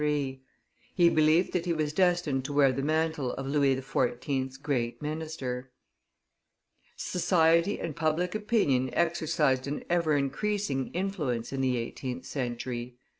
He believed that he was destined to wear the mantle of Louis XIV.'s great minister. Society and public opinion exercised an ever increasing influence in the eighteenth century; M.